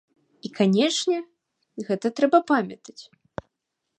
І, канечне, гэта трэба памятаць.